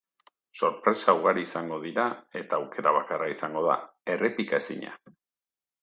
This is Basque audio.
Sorpresa ugari izango dira eta aukera bakarra izango da, errepikaezina.